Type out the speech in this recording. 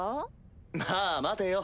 まあ待てよ。